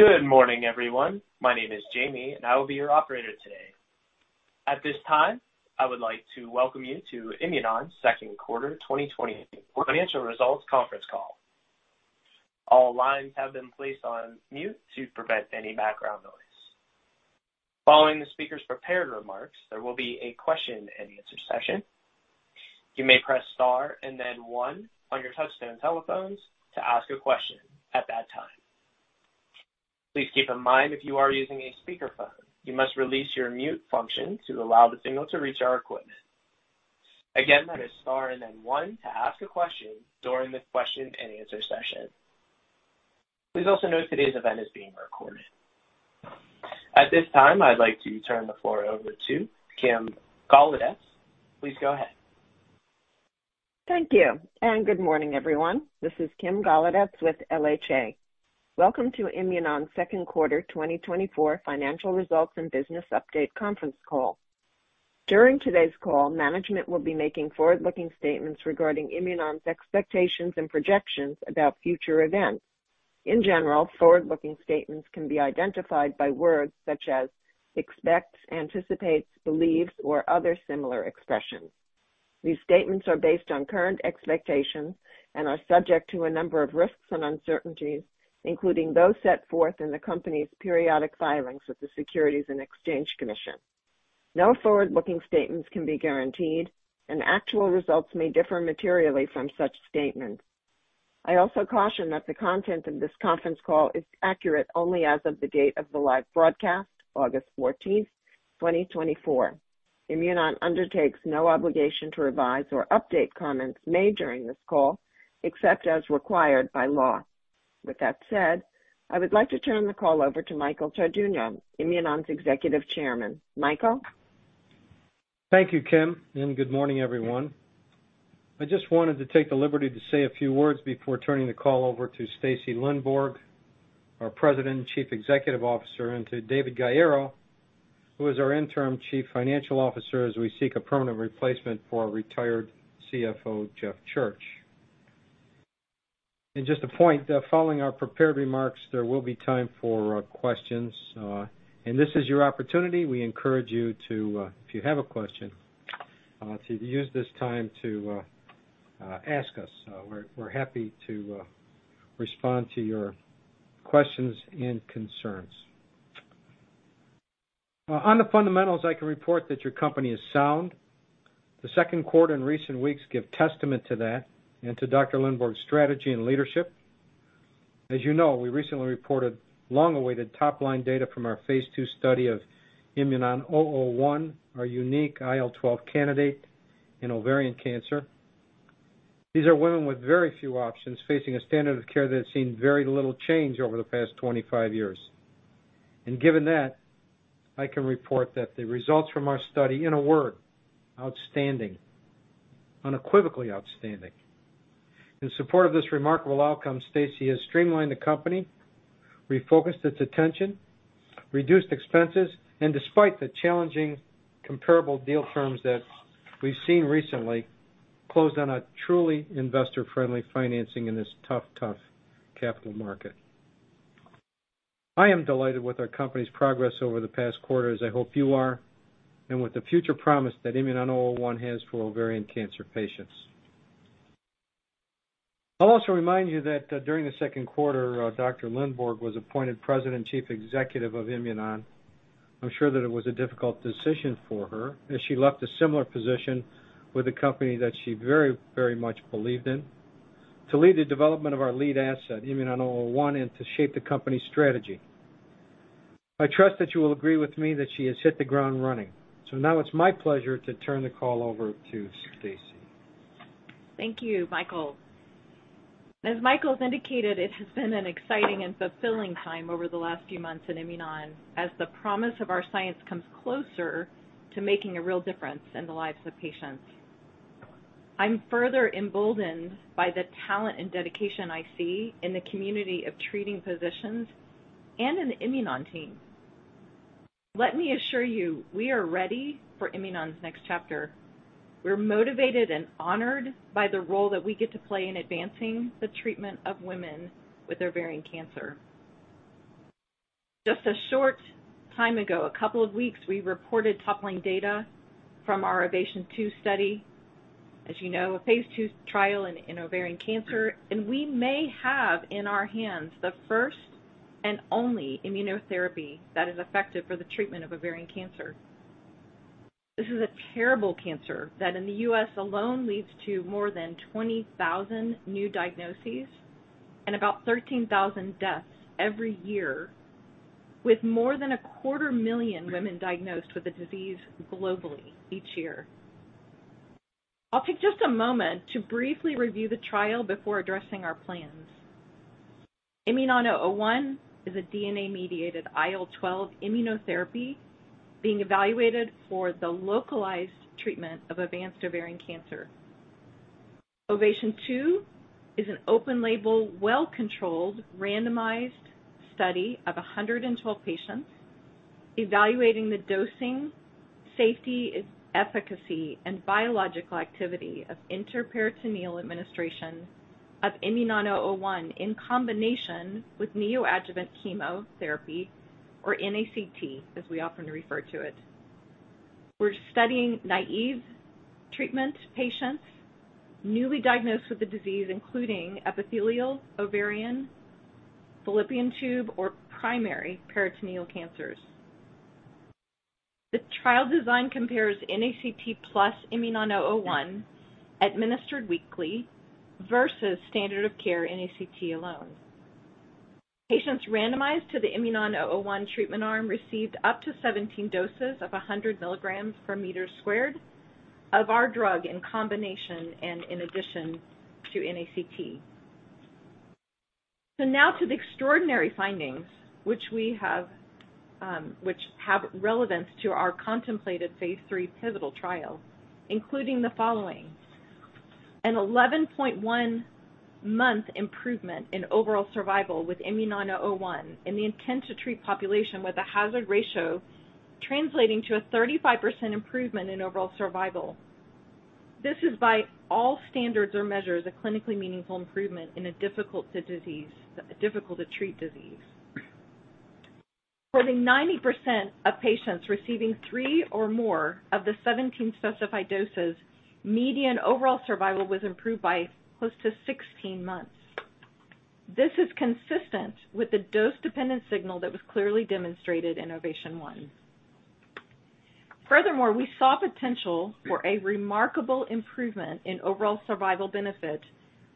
Good morning, everyone. My name is Jamie, and I will be your operator today. At this time, I would like to welcome you to Imunon's Second Quarter 2020 Financial Results Conference Call. All lines have been placed on mute to prevent any background noise. Following the speaker's prepared remarks, there will be a question-and-answer session. You may press star and then one on your touchtone telephones to ask a question at that time. Please keep in mind if you are using a speakerphone, you must release your mute function to allow the signal to reach our equipment. Again, that is star and then one to ask a question during the question-and-answer session. Please also note today's event is being recorded. At this time, I'd like to turn the floor over to Kim Golodetz. Please go ahead. Thank you, and good morning, everyone. This is Kim Golodetz with LHA. Welcome to Imunon's Second Quarter 2024 financial results and business update conference call. During today's call, management will be making forward-looking statements regarding Imunon's expectations and projections about future events. In general, forward-looking statements can be identified by words such as expects, anticipates, believes, or other similar expressions. These statements are based on current expectations and are subject to a number of risks and uncertainties, including those set forth in the company's periodic filings with the Securities and Exchange Commission. No forward-looking statements can be guaranteed, and actual results may differ materially from such statements. I also caution that the content of this conference call is accurate only as of the date of the live broadcast, August 14th, 2024. Imunon undertakes no obligation to revise or update comments made during this call, except as required by law. With that said, I would like to turn the call over to Michael Tardugno, Imunon's Executive Chairman. Michael? Thank you, Kim, and good morning, everyone. I just wanted to take the liberty to say a few words before turning the call over to Stacy Lindborg, our President and Chief Executive Officer, and to David Guerrero, who is our interim Chief Financial Officer, as we seek a permanent replacement for our retired CFO, Jeff Church. And just a point, following our prepared remarks, there will be time for questions, and this is your opportunity. We encourage you to, if you have a question, to use this time to ask us. We're happy to respond to your questions and concerns. On the fundamentals, I can report that your company is sound. The second quarter and recent weeks give testament to that and to Dr. Lindborg's strategy and leadership. As you know, we recently reported long-awaited top-line data from our phase II study of IMNN-001, our unique IL-12 candidate in ovarian cancer. These are women with very few options, facing a standard of care that has seen very little change over the past 25 years. Given that, I can report that the results from our study, in a word, outstanding. Unequivocally outstanding. In support of this remarkable outcome, Stacy has streamlined the company, refocused its attention, reduced expenses, and despite the challenging comparable deal terms that we've seen recently, closed on a truly investor-friendly financing in this tough, tough capital market. I am delighted with our company's progress over the past quarters I hope you are, and with the future promise that IMNN-001 has for ovarian cancer patients. I'll also remind you that, during the second quarter, Dr. Lindborg was appointed President, Chief Executive of Imunon. I'm sure that it was a difficult decision for her, as she left a similar position with a company that she very, very much believed in, to lead the development of our lead asset, IMNN-001, and to shape the company's strategy. I trust that you will agree with me that she has hit the ground running. So now it's my pleasure to turn the call over to Stacy. Thank you, Michael. As Michael's indicated, it has been an exciting and fulfilling time over the last few months at Imunon, as the promise of our science comes closer to making a real difference in the lives of patients. I'm further emboldened by the talent and dedication I see in the community of treating physicians and in the Imunon team. Let me assure you, we are ready for Imunon's next chapter. We're motivated and honored by the role that we get to play in advancing the treatment of women with ovarian cancer. Just a short time ago, a couple of weeks, we reported top-line data from our OVATION 2 Study. As you know, a phase II trial in ovarian cancer, and we may have in our hands the first and only immunotherapy that is effective for the treatment of ovarian cancer. This is a terrible cancer that in the U.S. alone, leads to more than 20,000 new diagnoses and about 13,000 deaths every year, with more than 250,000 women diagnosed with the disease globally each year. I'll take just a moment to briefly review the trial before addressing our plans. IMNN-001 is a DNA-mediated IL-12 immunotherapy being evaluated for the localized treatment of advanced ovarian cancer. OVATION 2 is an open-label, well-controlled, randomized study of 112 patients evaluating the dosing, safety, efficacy, and biological activity of intraperitoneal administration of IMNN-001 in combination with neoadjuvant chemotherapy, or NACT, as we often refer to it. We're studying treatment-naïve patients newly diagnosed with the disease, including epithelial ovarian, fallopian tube, or primary peritoneal cancers. The trial design compares NACT plus IMNN-001, administered weekly, versus standard of care NACT alone. Patients randomized to the IMNN-001 treatment arm received up to 17 doses of 100 mg/m² of our drug in combination and in addition to NACT. So now to the extraordinary findings, which we have, which have relevance to our contemplated phase III pivotal trial, including the following: an 11.1-month improvement in overall survival with IMNN-001 in the intent-to-treat population, with a hazard ratio translating to a 35% improvement in overall survival. This is, by all standards or measures, a clinically meaningful improvement in a difficult-to-treat disease. For the 90% of patients receiving 3 or more of the 17 specified doses, median overall survival was improved by close to 16 months. This is consistent with the dose-dependent signal that was clearly demonstrated in OVATION 1. Furthermore, we saw potential for a remarkable improvement in overall survival benefit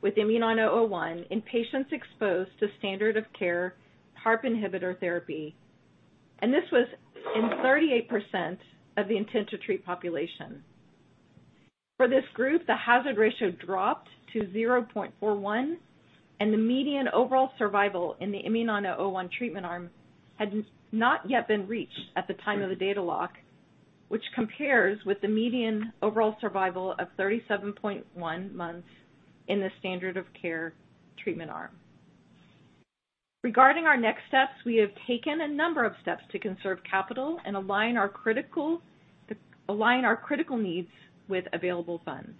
with IMNN-001 in patients exposed to standard of care PARP inhibitor therapy, and this was in 38% of the intent-to-treat population. For this group, the hazard ratio dropped to 0.41, and the median overall survival in the IMNN-001 treatment arm had not yet been reached at the time of the data lock, which compares with the median overall survival of 37.1 months in the standard of care treatment arm. Regarding our next steps, we have taken a number of steps to conserve capital and align our critical needs with available funds.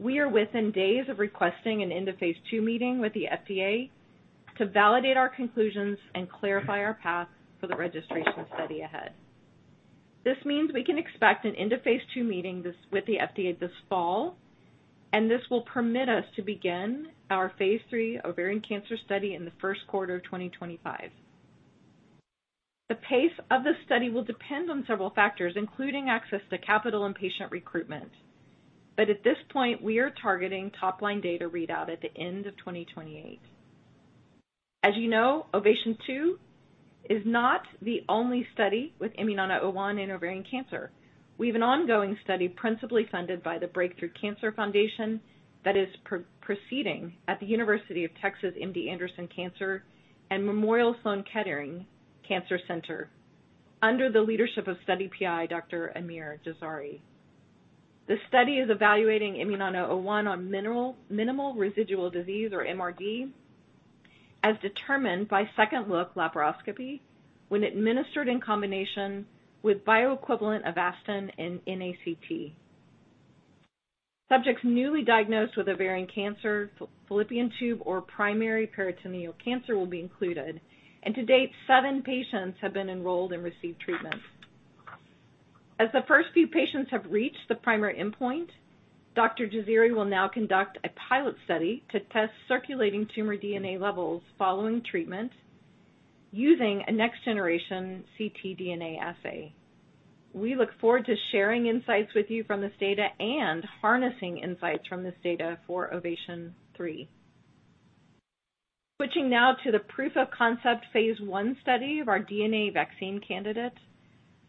We are within days of requesting an end-of-phase II meeting with the FDA to validate our conclusions and clarify our path for the registration study ahead. This means we can expect an end-of-phase II meeting this fall with the FDA this fall, and this will permit us to begin our phase III ovarian cancer study in the first quarter of 2025. The pace of the study will depend on several factors, including access to capital and patient recruitment. But at this point, we are targeting top-line data readout at the end of 2028. As you know, OVATION 2 is not the only study with IMNN-001 in ovarian cancer. We have an ongoing study, principally funded by the Break Through Cancer Foundation, that is proceeding at The University of Texas MD Anderson Cancer Center and Memorial Sloan Kettering Cancer Center, under the leadership of study PI, Dr. Amir Jazaeri. The study is evaluating IMNN-001 on minimal residual disease, or MRD, as determined by second-look laparoscopy when administered in combination with bioequivalent Avastin and NACT. Subjects newly diagnosed with ovarian cancer, fallopian tube, or primary peritoneal cancer will be included, and to date, seven patients have been enrolled and received treatment. As the first few patients have reached the primary endpoint, Dr. Jazaeri will now conduct a pilot study to test circulating tumor DNA levels following treatment using a next-generation ctDNA assay. We look forward to sharing insights with you from this data and harnessing insights from this data for OVATION 3. Switching now to the proof of concept phase I study of our DNA vaccine candidate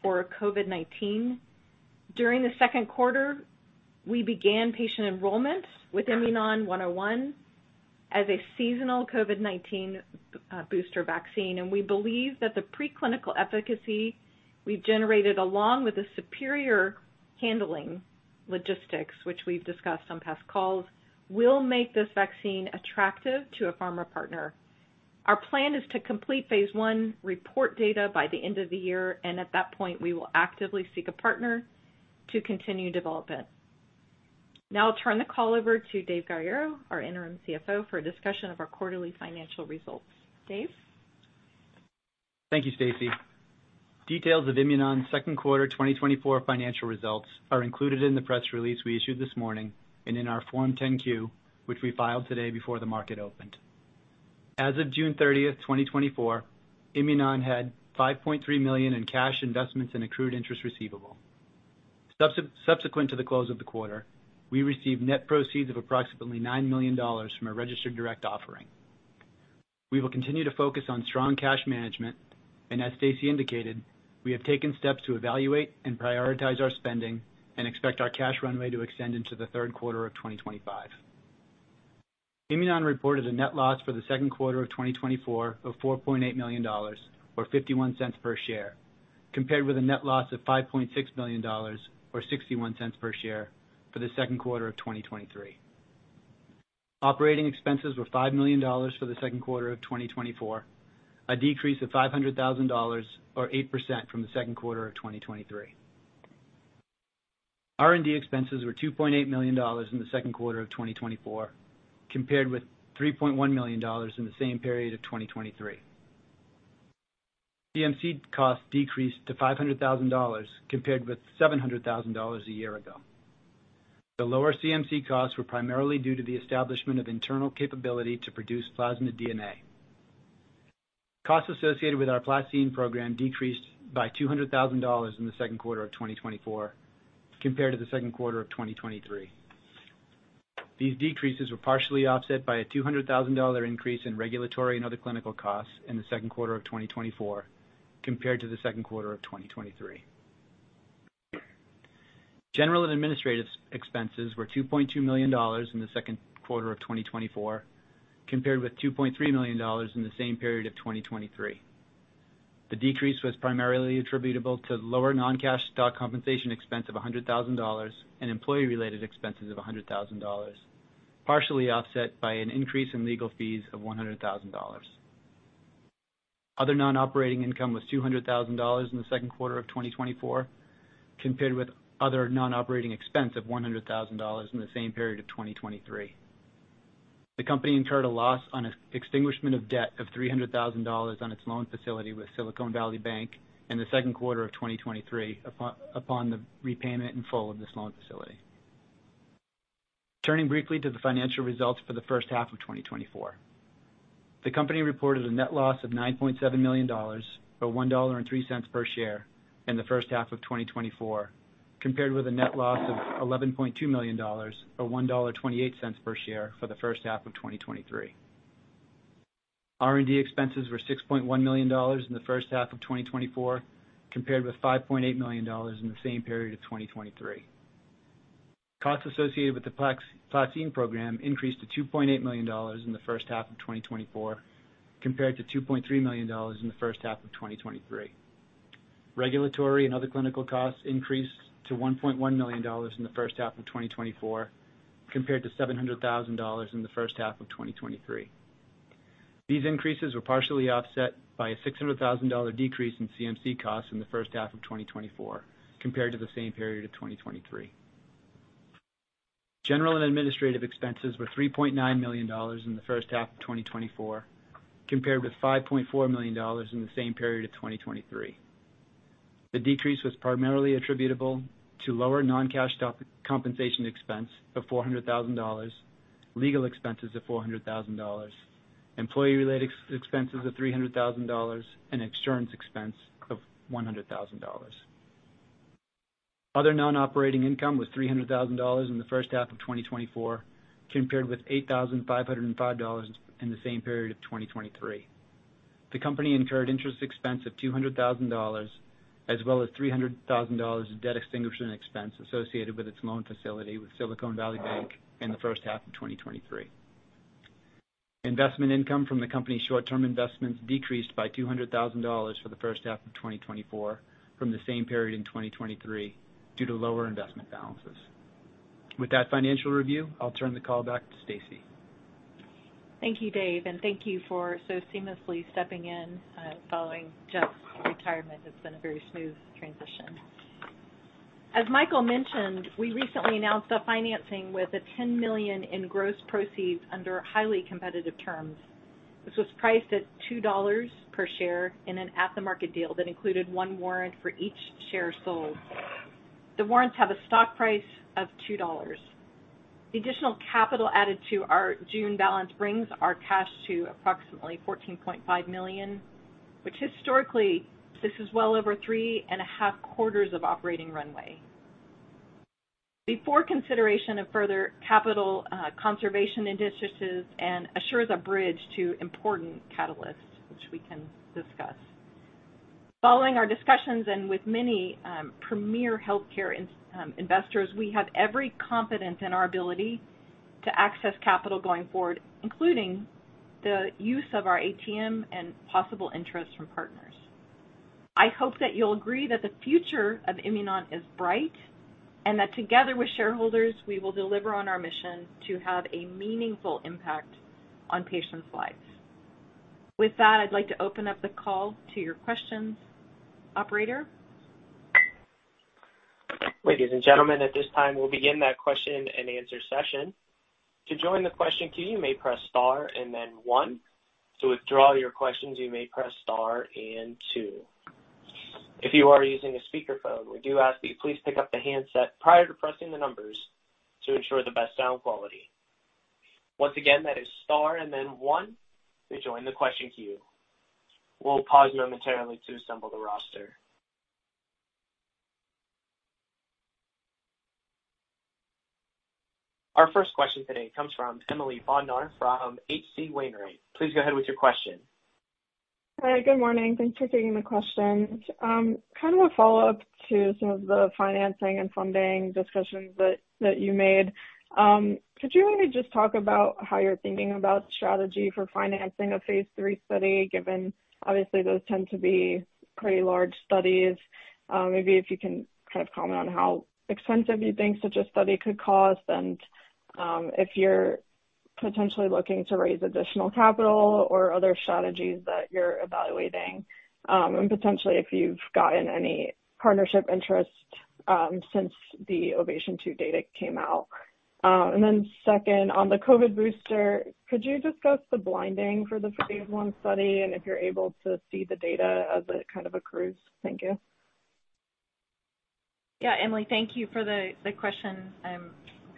for COVID-19. During the second quarter, we began patient enrollment with IMNN-101 as a seasonal COVID-19 booster vaccine, and we believe that the preclinical efficacy we've generated, along with the superior handling logistics, which we've discussed on past calls, will make this vaccine attractive to a pharma partner. Our plan is to complete phase I report data by the end of the year, and at that point, we will actively seek a partner to continue development. Now I'll turn the call over to Dave Guerrero, our interim CFO, for a discussion of our quarterly financial results. Dave? Thank you, Stacy. Details of Imunon's second quarter 2024 financial results are included in the press release we issued this morning and in our Form 10-Q, which we filed today before the market opened. As of June 30, 2024, Imunon had $5.3 million in cash investments and accrued interest receivable. Subsequent to the close of the quarter, we received net proceeds of approximately $9 million from a registered direct offering. We will continue to focus on strong cash management, and as Stacy indicated, we have taken steps to evaluate and prioritize our spending and expect our cash runway to extend into the third quarter of 2025. Imunon reported a net loss for the second quarter of 2024 of $4.8 million, or $0.51 per share, compared with a net loss of $5.6 million, or $0.61 per share, for the second quarter of 2023. Operating expenses were $5 million for the second quarter of 2024, a decrease of $500,000 or 8% from the second quarter of 2023. R&D expenses were $2.8 million in the second quarter of 2024, compared with $3.1 million in the same period of 2023. CMC costs decreased to $500,000, compared with $700,000 a year ago. The lower CMC costs were primarily due to the establishment of internal capability to produce plasmid DNA. Costs associated with our PlaCCine program decreased by $200,000 in the second quarter of 2024 compared to the second quarter of 2023. These decreases were partially offset by a $200,000 increase in regulatory and other clinical costs in the second quarter of 2024 compared to the second quarter of 2023. General and administrative expenses were $2.2 million in the second quarter of 2024, compared with $2.3 million in the same period of 2023. The decrease was primarily attributable to lower non-cash stock compensation expense of $100,000 and employee-related expenses of $100,000, partially offset by an increase in legal fees of $100,000. Other non-operating income was $200,000 in the second quarter of 2024, compared with other non-operating expense of $100,000 in the same period of 2023. The company incurred a loss on extinguishment of debt of $300,000 on its loan facility with Silicon Valley Bank in the second quarter of 2023, upon the repayment in full of this loan facility. Turning briefly to the financial results for the first half of 2024. The company reported a net loss of $9.7 million, or $1.03 per share in the first half of 2024, compared with a net loss of $11.2 million, or $1.28 per share for the first half of 2023. R&D expenses were $6.1 million in the first half of 2024, compared with $5.8 million in the same period of 2023. Costs associated with the PlaCCine program increased to $2.8 million in the first half of 2024, compared to $2.3 million in the first half of 2023. Regulatory and other clinical costs increased to $1.1 million in the first half of 2024, compared to $700,000 in the first half of 2023. These increases were partially offset by a $600,000 decrease in CMC costs in the first half of 2024, compared to the same period of 2023. General and administrative expenses were $3.9 million in the first half of 2024, compared with $5.4 million in the same period of 2023. The decrease was primarily attributable to lower non-cash stock compensation expense of $400,000, legal expenses of $400,000, employee-related expenses of $300,000, and insurance expense of $100,000. Other non-operating income was $300,000 in the first half of 2024, compared with $8,505 in the same period of 2023. The company incurred interest expense of $200,000, as well as $300,000 in debt extinguishment expense associated with its loan facility with Silicon Valley Bank in the first half of 2023. Investment income from the company's short-term investments decreased by $200,000 for the first half of 2024 from the same period in 2023 due to lower investment balances. With that financial review, I'll turn the call back to Stacy. Thank you, Dave, and thank you for so seamlessly stepping in following Jeff's retirement. It's been a very smooth transition. As Michael mentioned, we recently announced a financing with $10 million in gross proceeds under highly competitive terms. This was priced at $2 per share in an at-the-market deal that included 1 warrant for each share sold. The warrants have a stock price of $2. The additional capital added to our June balance brings our cash to approximately $14.5 million, which historically, this is well over 3.5 quarters of operating runway before consideration of further capital conservation initiatives and assures a bridge to important catalysts, which we can discuss. Following our discussions and with many premier healthcare investors, we have every confidence in our ability to access capital going forward, including the use of our ATM and possible interest from partners. I hope that you'll agree that the future of Imunon is bright, and that together with shareholders, we will deliver on our mission to have a meaningful impact on patients' lives. With that, I'd like to open up the call to your questions, operator? Ladies and gentlemen, at this time, we'll begin that question-and-answer session. To join the question queue, you may press star and then one. To withdraw your questions, you may press star and two. If you are using a speakerphone, we do ask that you please pick up the handset prior to pressing the numbers to ensure the best sound quality. Once again, that is star and then one to join the question queue. We'll pause momentarily to assemble the roster. Our first question today comes from Emily Bodnar from H.C. Wainwright. Please go ahead with your question. Hi, good morning. Thanks for taking the questions. Kind of a follow-up to some of the financing and funding discussions that you made. Could you maybe just talk about how you're thinking about strategy for financing a phase III study, given obviously those tend to be pretty large studies? Maybe if you can kind of comment on how extensive you think such a study could cost and, if you're potentially looking to raise additional capital or other strategies that you're evaluating, and potentially if you've gotten any partnership interest, since the OVATION 2 data came out? And then second, on the COVID booster, could you discuss the blinding for the phase I study, and if you're able to see the data as it kind of accrues? Thank you. Yeah, Emily, thank you for the question.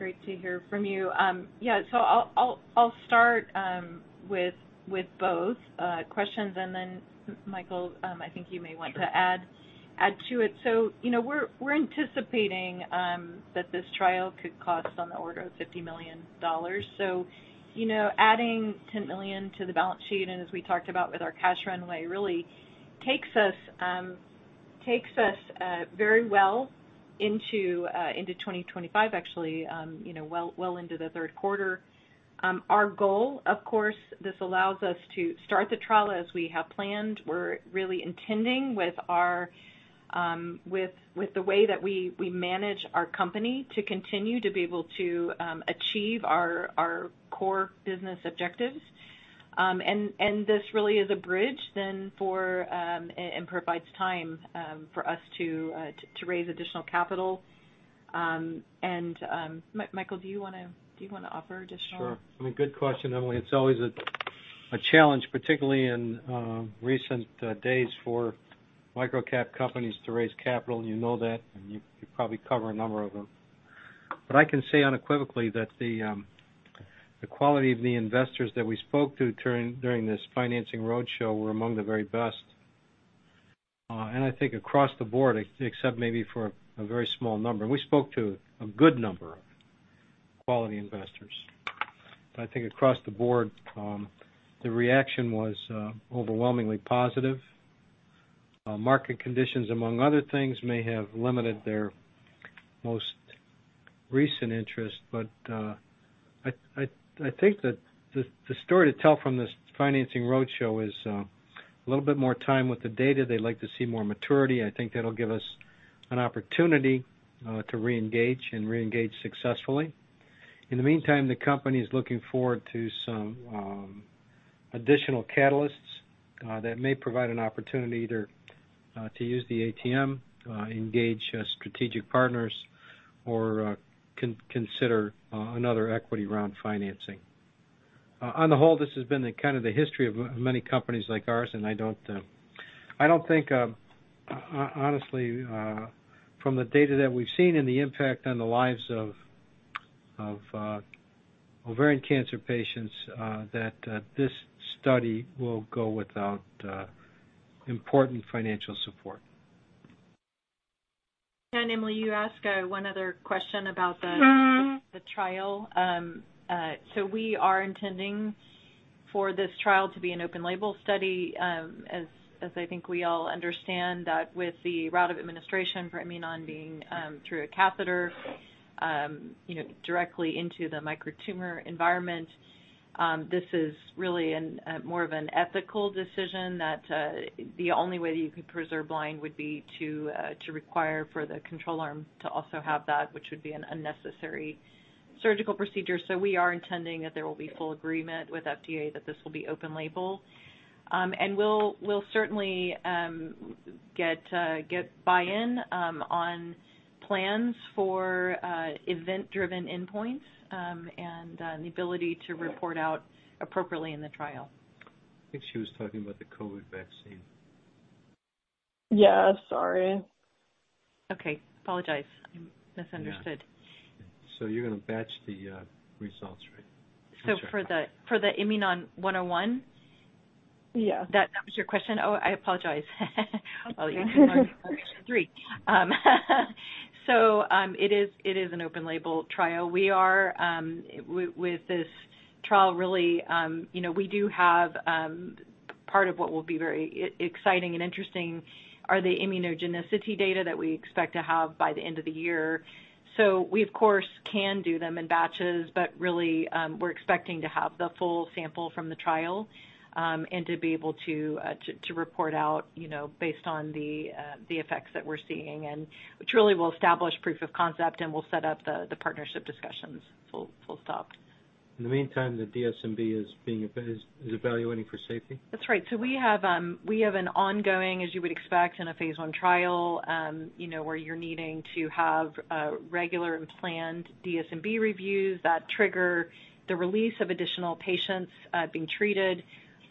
Great to hear from you. Yeah, so I'll start with both questions, and then, Michael, I think you may want to add to it. So, you know, we're anticipating that this trial could cost on the order of $50 million. So, you know, adding $10 million to the balance sheet, and as we talked about with our cash runway, really takes us, takes us, very well into into 2025 actually, you know, well, well into the third quarter. Our goal, of course, this allows us to start the trial as we have planned. We're really intending with the way that we manage our company to continue to be able to achieve our core business objectives. This really is a bridge then for, and provides time for us to raise additional capital. And Michael, do you wanna offer additional? Sure. I mean, good question, Emily. It's always a challenge, particularly in recent days for microcap companies to raise capital, and you know that, and you probably cover a number of them. But I can say unequivocally that the quality of the investors that we spoke to during this financing roadshow were among the very best, and I think across the board, except maybe for a very small number. We spoke to a good number of quality investors. I think across the board, the reaction was overwhelmingly positive. Market conditions, among other things, may have limited their most recent interest, but I think that the story to tell from this financing roadshow is a little bit more time with the data. They'd like to see more maturity. I think that'll give us an opportunity to reengage and reengage successfully. In the meantime, the company is looking forward to some additional catalysts that may provide an opportunity either to use the ATM, engage strategic partners, or consider another equity round financing. On the whole, this has been the kind of history of many companies like ours, and I don't think honestly, from the data that we've seen and the impact on the lives of ovarian cancer patients, that this study will go without important financial support. Emily, you asked one other question about the- Mm-hmm. -the trial. So we are intending for this trial to be an open label study. As I think we all understand that with the route of administration for IMNN-001 being through a catheter, you know, directly into the microtumor environment, this is really an more of an ethical decision that the only way that you could preserve blind would be to to require for the control arm to also have that, which would be an unnecessary surgical procedure. So we are intending that there will be full agreement with FDA that this will be open label. And we'll certainly get buy-in on plans for event-driven endpoints and the ability to report out appropriately in the trial. I think she was talking about the COVID vaccine. Yeah. Sorry. Okay. Apologize. I misunderstood. Yeah. So you're gonna batch the, results, right? So for the IMNN-101? Yeah. That was your question? Oh, I apologize. Oh, yeah. Three. So, it is an open label trial. We are with this trial, really, you know, we do have part of what will be very exciting and interesting are the immunogenicity data that we expect to have by the end of the year. So we, of course, can do them in batches, but really, we're expecting to have the full sample from the trial, and to be able to to report out, you know, based on the the effects that we're seeing, and which really will establish proof of concept and will set up the the partnership discussions full, full stop. In the meantime, the DSMB is evaluating for safety? That's right. So we have, we have an ongoing, as you would expect in a phase 1 trial, you know, where you're needing to have, regular and planned DSMB reviews that trigger the release of additional patients, being treated.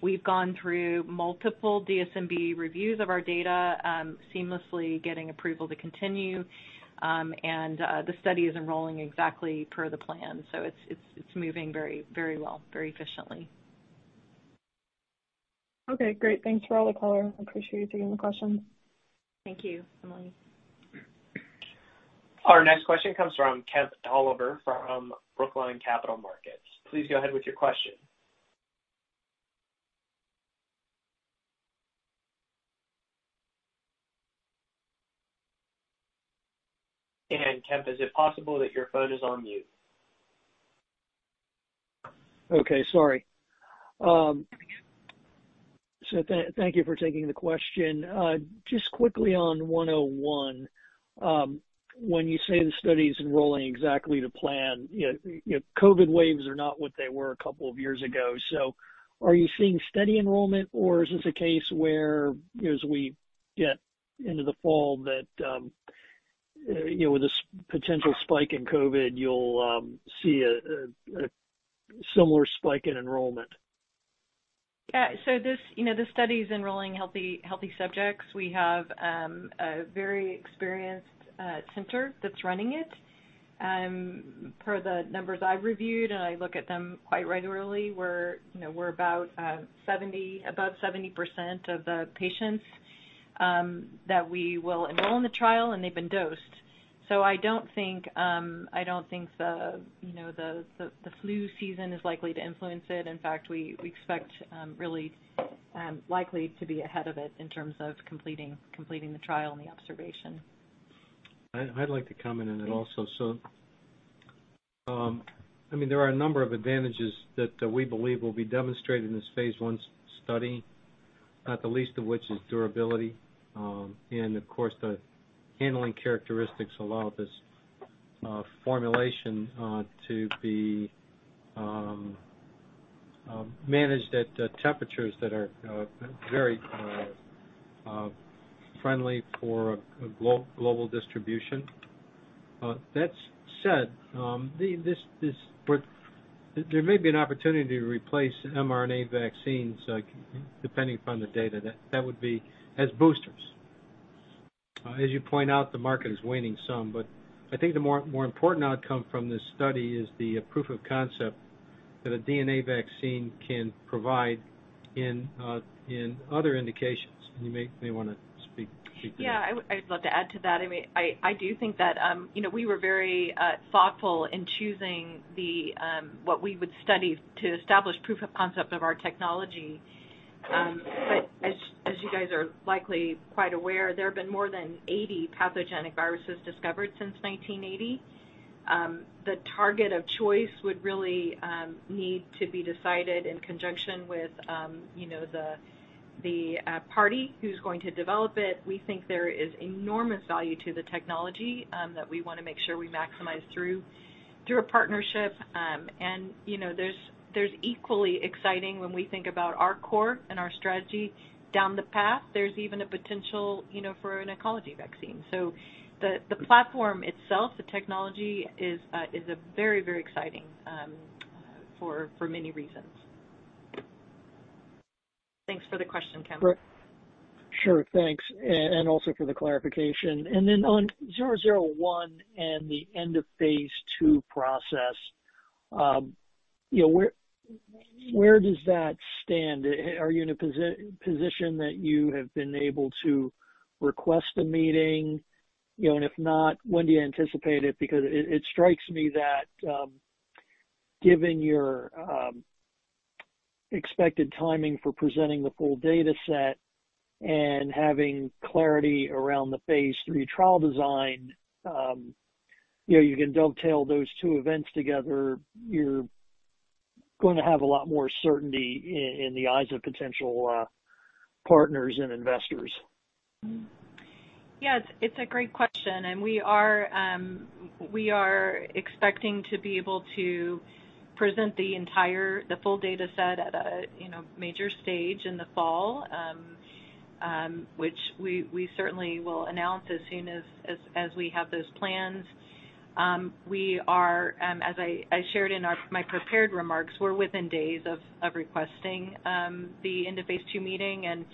We've gone through multiple DSMB reviews of our data, seamlessly getting approval to continue, and, the study is enrolling exactly per the plan, so it's, it's, it's moving very, very well, very efficiently. Okay, great. Thanks for all the caller. I appreciate you taking the question. Thank you, Emily. Our next question comes from Kemp Dolliver from Brookline Capital Markets. Please go ahead with your question. And Kemp, is it possible that your phone is on mute? Okay, sorry.... So thank you for taking the question. Just quickly on IMNN-101, when you say the study is enrolling exactly to plan, you know, COVID waves are not what they were a couple of years ago. So are you seeing steady enrollment, or is this a case where, as we get into the fall, you know, with this potential spike in COVID, you'll see a similar spike in enrollment? Yeah, so this, you know, this study is enrolling healthy, healthy subjects. We have a very experienced center that's running it. Per the numbers I've reviewed, and I look at them quite regularly, we're, you know, we're about 70%, above 70% of the patients that we will enroll in the trial, and they've been dosed. So I don't think I don't think the, you know, the, the, the flu season is likely to influence it. In fact, we expect really likely to be ahead of it in terms of completing, completing the trial and the observation. I'd like to comment on it also. So, I mean, there are a number of advantages that we believe will be demonstrated in this phase I study, not the least of which is durability. And of course, the handling characteristics allow this formulation to be managed at temperatures that are very friendly for a global distribution. That said, there may be an opportunity to replace mRNA vaccines, like, depending upon the data, that would be as boosters. As you point out, the market is waning some, but I think the more important outcome from this study is the proof of concept that a DNA vaccine can provide in other indications. And you may wanna speak to that. Yeah, I would- I'd love to add to that. I mean, I do think that, you know, we were very thoughtful in choosing the, what we would study to establish proof of concept of our technology. But as you guys are likely quite aware, there have been more than 80 pathogenic viruses discovered since 1980. The target of choice would really need to be decided in conjunction with, you know, the party who's going to develop it. We think there is enormous value to the technology, that we wanna make sure we maximize through a partnership. And, you know, there's equally exciting when we think about our core and our strategy down the path. There's even a potential, you know, for an oncology vaccine. So the platform itself, the technology is a very, very exciting for many reasons. Thanks for the question, Kemp. Sure, thanks, and also for the clarification. And then on IMNN-001 and the end of phase II process, you know, where does that stand? Are you in a position that you have been able to request a meeting? You know, and if not, when do you anticipate it? Because it strikes me that, given your expected timing for presenting the full data set and having clarity around the phase III trial design, you know, you can dovetail those two events together. You're going to have a lot more certainty in the eyes of potential partners and investors. Yeah, it's a great question, and we are expecting to be able to present the entire, the full data set at a, you know, major stage in the fall. Which we certainly will announce as soon as we have those plans. We are, as I shared in our, my prepared remarks, we're within days of requesting the end of phase II meeting. And,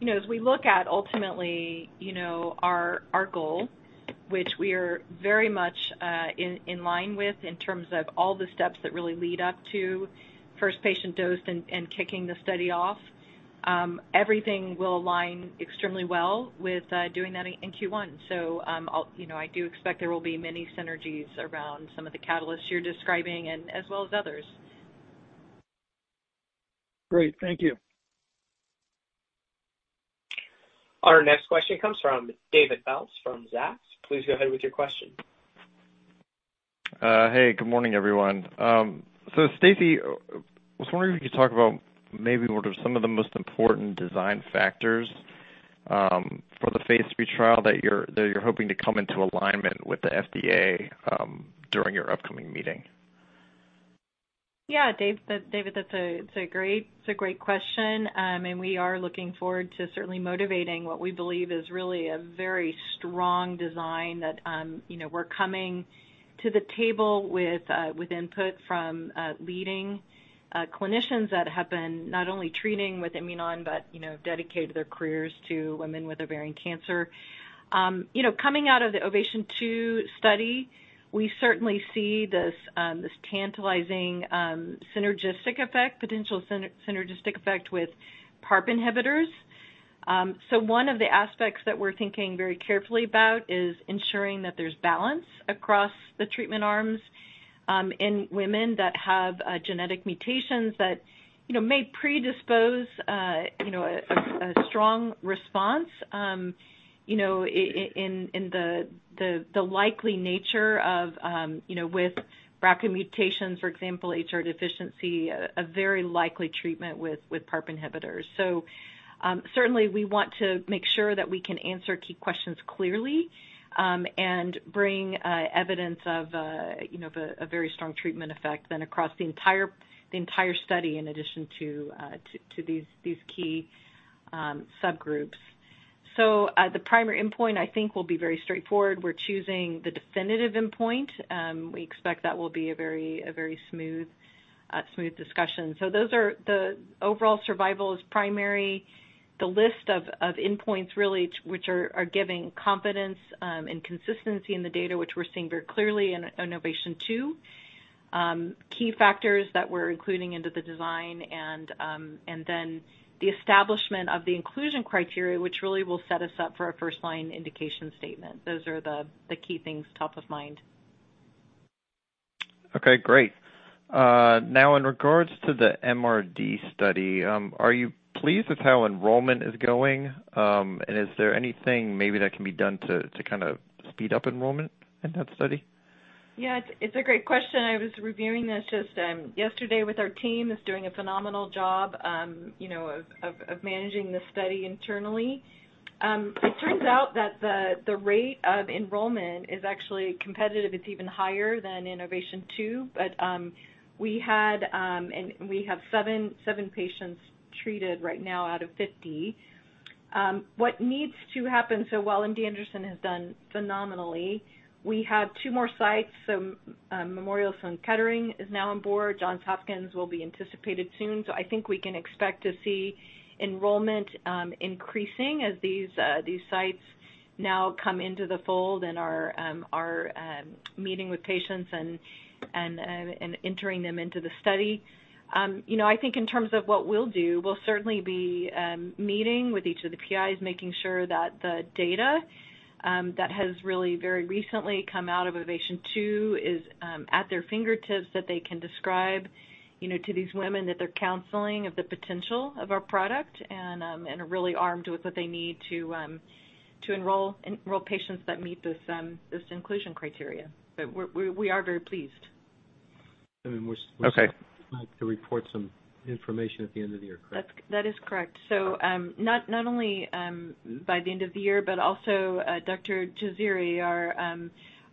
you know, as we look at ultimately, you know, our goal, which we are very much in line with in terms of all the steps that really lead up to first patient dose and kicking the study off, everything will align extremely well with doing that in Q1. You know, I do expect there will be many synergies around some of the catalysts you're describing and as well as others. Great, thank you. Our next question comes from David Bautz from Zacks. Please go ahead with your question. Hey, good morning, everyone. So Stacy, I was wondering if you could talk about maybe what are some of the most important design factors for the phase III trial that you're, that you're hoping to come into alignment with the FDA during your upcoming meeting? Yeah, Dave, David, that's a great question. And we are looking forward to certainly motivating what we believe is really a very strong design that, you know, we're coming to the table with input from leading clinicians that have been not only treating with IMUNON but, you know, dedicated their careers to women with ovarian cancer. You know, coming out of the OVATION 2 study, we certainly see this tantalizing synergistic effect, potential synergistic effect with PARP inhibitors. So one of the aspects that we're thinking very carefully about is ensuring that there's balance across the treatment arms in women that have genetic mutations that, you know, may predispose a strong response. You know, in the likely nature of, you know, with BRCA mutations, for example, HR deficiency, a very likely treatment with PARP inhibitors. So, certainly we want to make sure that we can answer key questions clearly. And bring evidence of, you know, of a very strong treatment effect then across the entire study, in addition to these key subgroups. So, the primary endpoint, I think, will be very straightforward. We're choosing the definitive endpoint. We expect that will be a very smooth discussion. So those are the overall survival is primary. The list of endpoints really, which are giving confidence and consistency in the data, which we're seeing very clearly in OVATION 2. Key factors that we're including into the design and, and then the establishment of the inclusion criteria, which really will set us up for a first-line indication statement. Those are the key things top of mind. Okay, great. Now, in regards to the MRD study, are you pleased with how enrollment is going? Is there anything maybe that can be done to kind of speed up enrollment in that study? Yeah, it's a great question. I was reviewing the system yesterday with our team, is doing a phenomenal job, you know, of managing the study internally. It turns out that the rate of enrollment is actually competitive. It's even higher than in OVATION 2. But we had and we have 7 patients treated right now out of 50. What needs to happen, so while MD Anderson has done phenomenally, we have 2 more sites. So Memorial Sloan Kettering is now on board. Johns Hopkins will be anticipated soon. So I think we can expect to see enrollment increasing as these sites now come into the fold and are meeting with patients and entering them into the study. You know, I think in terms of what we'll do, we'll certainly be meeting with each of the PIs, making sure that the data that has really very recently come out of OVATION 2 is at their fingertips, that they can describe, you know, to these women, that they're counseling of the potential of our product and are really armed with what they need to enroll patients that meet this inclusion criteria. But we are very pleased. Okay. To report some information at the end of the year, correct? That is correct. So, not only by the end of the year, but also Dr. Jazaeri,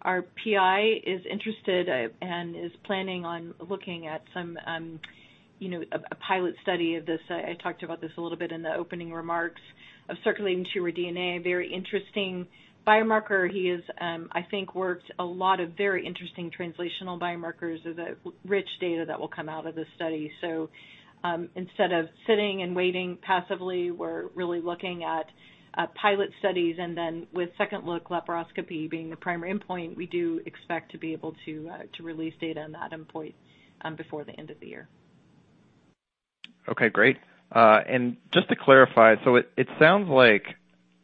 our PI, is interested and is planning on looking at some, you know, a pilot study of this. I talked about this a little bit in the opening remarks of circulating tumor DNA. Very interesting biomarker. He is, I think, worked a lot of very interesting translational biomarkers of the rich data that will come out of this study. So, instead of sitting and waiting passively, we're really looking at pilot studies, and then with second-look laparoscopy being the primary endpoint, we do expect to be able to release data on that endpoint before the end of the year. Okay, great. And just to clarify, so it sounds like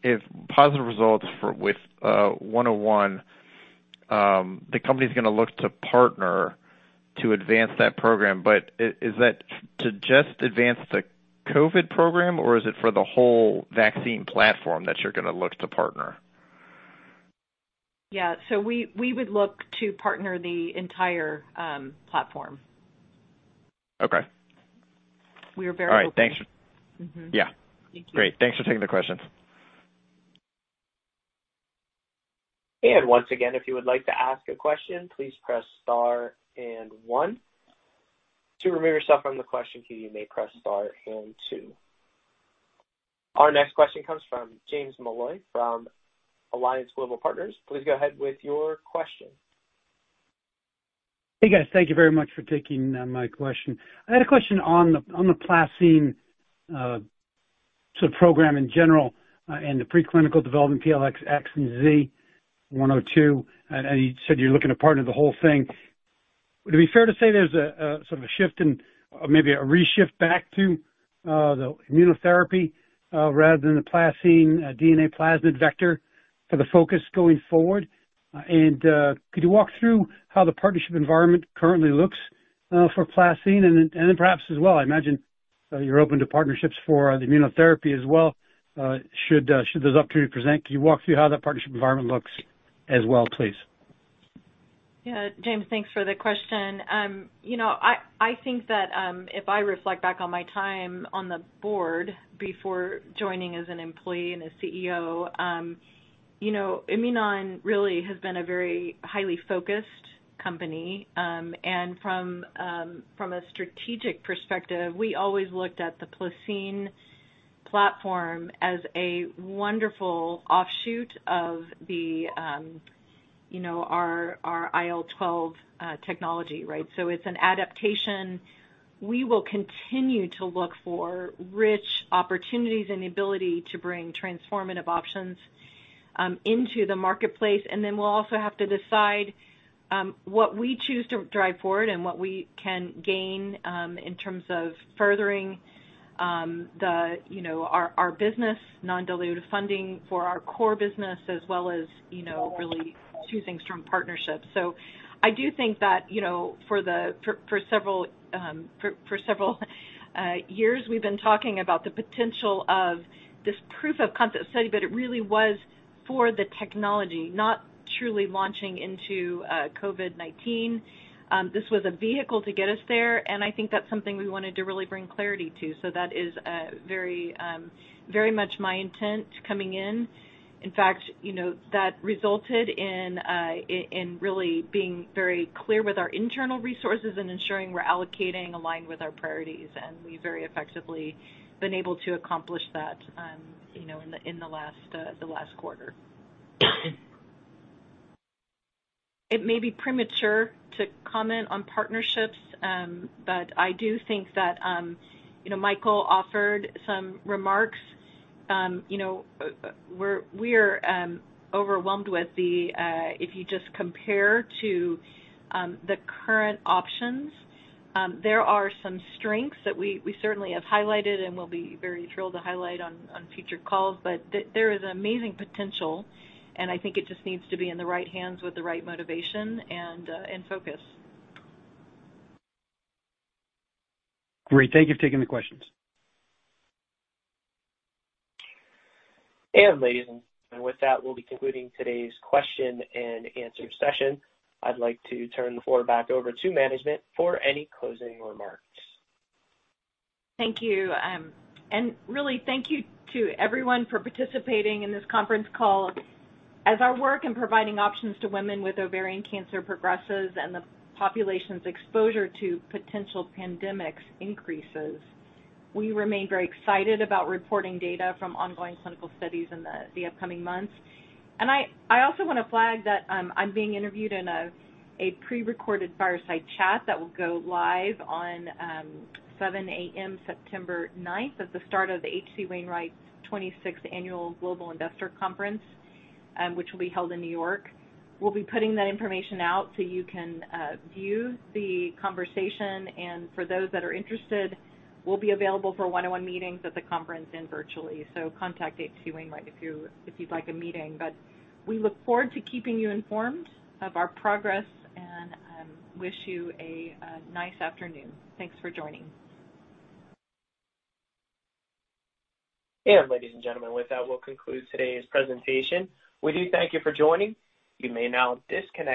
if positive results for with IMNN-101, the company's gonna look to partner to advance that program. But is that to just advance the COVID program, or is it for the whole vaccine platform that you're gonna look to partner? Yeah, so we would look to partner the entire platform. Okay. We are very open. All right, thanks. Mm-hmm. Yeah. Thank you. Great. Thanks for taking the question. Once again, if you would like to ask a question, please press star and one. To remove yourself from the question queue, you may press star and two. Our next question comes from James Molloy from Alliance Global Partners. Please go ahead with your question. Hey, guys. Thank you very much for taking my question. I had a question on the, on the PlaCCine program in general, and the preclinical development, PLX, X and Z 102, and you said you're looking to partner the whole thing. Would it be fair to say there's a sort of a shift in, or maybe a reshift back to the immunotherapy, rather than the PlaCCine DNA plasmid vector for the focus going forward? And could you walk through how the partnership environment currently looks for PlaCCine? And then perhaps as well, I imagine you're open to partnerships for the immunotherapy as well. Should this opportunity present, can you walk through how that partnership environment looks as well, please? Yeah, James, thanks for the question. You know, I, I think that, if I reflect back on my time on the board before joining as an employee and a CEO, you know, Imunon really has been a very highly focused company. And from a strategic perspective, we always looked at the PlaCCine platform as a wonderful offshoot of the, you know, our IL-12 technology, right? So it's an adaptation. We will continue to look for rich opportunities and the ability to bring transformative options into the marketplace. And then we'll also have to decide, what we choose to drive forward and what we can gain, in terms of furthering, you know, our business, non-dilutive funding for our core business, as well as, you know, really choosing strong partnerships. So I do think that, you know, for several years, we've been talking about the potential of this proof of concept study, but it really was for the technology, not truly launching into COVID-19. This was a vehicle to get us there, and I think that's something we wanted to really bring clarity to. So that is very much my intent coming in. In fact, you know, that resulted in really being very clear with our internal resources and ensuring we're allocating aligned with our priorities, and we very effectively been able to accomplish that, you know, in the last quarter. It may be premature to comment on partnerships, but I do think that, you know, Michael offered some remarks. You know, we are overwhelmed with the if you just compare to the current options, there are some strengths that we certainly have highlighted and will be very thrilled to highlight on future calls. But there is amazing potential, and I think it just needs to be in the right hands with the right motivation and focus. Great. Thank you for taking the questions. And with that, we'll be concluding today's question and answer session. I'd like to turn the floor back over to management for any closing remarks. Thank you, and really thank you to everyone for participating in this conference call. As our work in providing options to women with ovarian cancer progresses and the population's exposure to potential pandemics increases, we remain very excited about reporting data from ongoing clinical studies in the upcoming months. I also want to flag that, I'm being interviewed in a prerecorded fireside chat that will go live on 7:00 A.M., September 9, at the start of the H.C. Wainwright 26th Annual Global Investor Conference, which will be held in New York. We'll be putting that information out so you can view the conversation, and for those that are interested, we'll be available for one-on-one meetings at the conference and virtually. Contact H.C. Wainwright if you'd like a meeting. We look forward to keeping you informed of our progress and wish you a nice afternoon. Thanks for joining. Ladies and gentlemen, with that, we'll conclude today's presentation. We do thank you for joining. You may now disconnect.